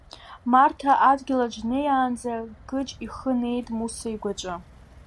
Марҭа адгьылаҿ днеиаанӡа, Гыџь ихы неит Муса игәаҿы.